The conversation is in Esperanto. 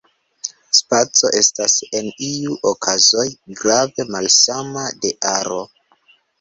Spaco estas en iuj okazoj grave malsama de aro.